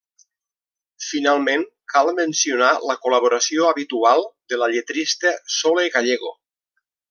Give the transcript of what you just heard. Finalment, cal mencionar la col·laboració habitual de la lletrista Sole Gallego.